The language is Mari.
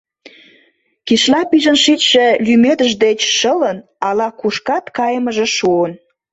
Кишла пижын шичше лӱмедыш деч шылын, ала-кушкат кайымыже шуын.